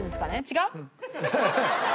違う？